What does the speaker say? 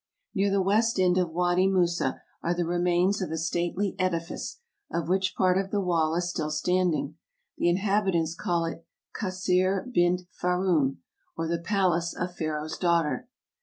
Near the west end of Wady Moussa are the remains of a stately edifice, of which part of the wall is still standing ; the inhabitants call it Kasr Bint Faraoun, or the palace of Pha raoh's daughter.